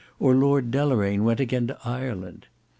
Or Lord Deloraine went again to Ireland?